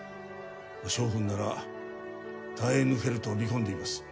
翔君なら耐え抜けると見込んでいます